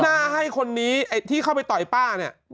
หน้าให้คนนี้ไอ้ที่เข้าไปต่อยป้าเนี่ย